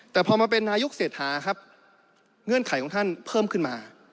แต่พอมาเป็นนายกเศรษฐาครับเงื่อนไขของท่านเพิ่มขึ้นมา